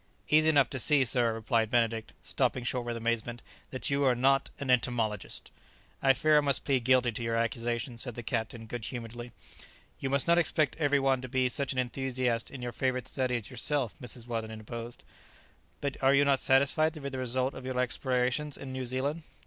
"Easy enough to see, sir," replied Benedict, stopping short with amazement, "that you are not an entomologist!" "I fear I must plead guilty to your accusation," said the captain good humouredly. "You must not expect every one to be such an enthusiast in your favourite study as yourself." Mrs. Weldon interposed; "but are you not satisfied with the result of your explorations in New Zealand?"